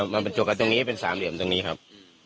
มันเป็นจวกกับตรงนี้เป็นสามเหลี่ยมตรงนี้ครับ